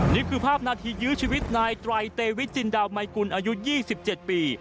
นี่คือภาพนาทียื้อชีวิตนายตรายเตวิทจินดาวไมคุณอายุยี่สิบเจ็ดปี